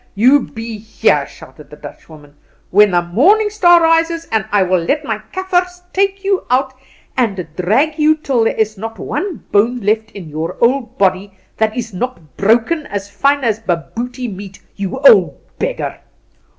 You be here," shouted the Dutchwoman, "when the morning star rises, and I will let my Kaffers take you out and drag you, till there is not one bone left in your old body that is not broken as fine as bobootie meat, you old beggar!